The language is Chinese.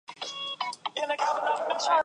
全段名为京广铁路邯和支线。